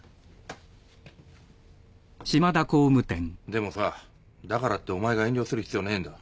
でもさだからってお前が遠慮する必要ねえんだ。